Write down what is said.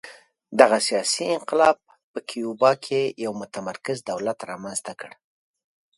دغه سیاسي انقلاب په کیوبا کې یو متمرکز دولت رامنځته کړ